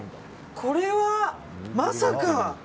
これはまさか。